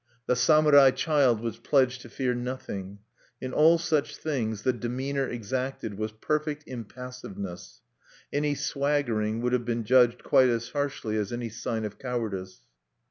The samurai child was pledged to fear nothing. In all such tests, the demeanor exacted was perfect impassiveness; any swaggering would have been judged quite as harshly as any sign of cowardice.